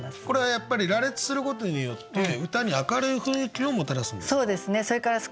これはやっぱり羅列することによって歌に明るい雰囲気をもたらすんですか？